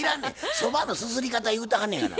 そばのすすり方言うてはんのやがな。